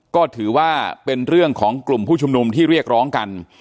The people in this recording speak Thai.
ก็ถือว่าเป็นเรื่องของกลุ่มผู้ชุมนุมที่เรียกร้องกัน